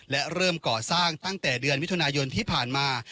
และเริ่มก่อสร้างตั้งแต่เดือนมิถุนายนที่ผ่านมา